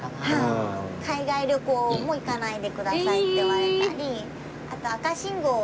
海外旅行も行かないでくださいって言われたり。